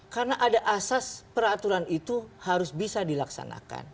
karena ada asas peraturan itu harus bisa dilaksanakan